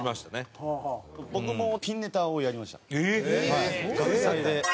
僕もピンネタをやりました学祭で。